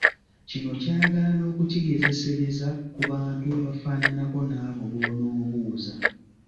Kino kyagala n’okukigezesereza ku bantu abafaananako n’abo b’onoobuuza.